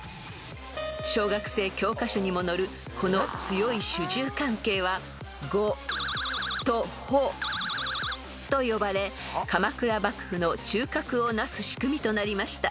［小学生教科書にも載るこの強い主従関係は「ごとほ」と呼ばれ鎌倉幕府の中核を成す仕組みとなりました］